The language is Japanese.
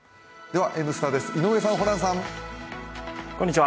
では「Ｎスタ」です井上さん、ホランさん。